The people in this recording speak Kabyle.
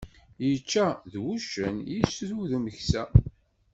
Yečča d wuccen, yettru d umeksa.